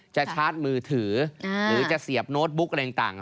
ชาร์จมือถือหรือจะเสียบโน้ตบุ๊กอะไรต่าง